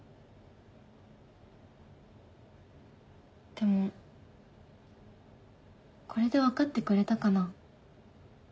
でもこれで分かってくれたかな？